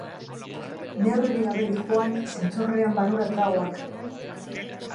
Neurririk gabe dihoan zintzurrean barrura tragoak.